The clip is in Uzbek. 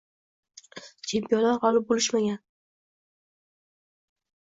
Chempionlar g’olib bo’lishmagan.